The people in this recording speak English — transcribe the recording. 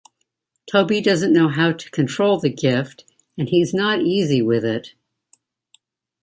Toby doesn't know how to control the gift, and he's not easy with it.